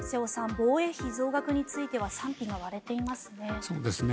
防衛費増額については賛否が割れていますね。